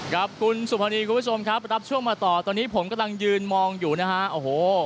ครับคุณสุภานีคุณผู้ชมครับรับช่วงมาต่อตอนนี้ผมกำลังยืนมองอยู่นะฮะโอ้โห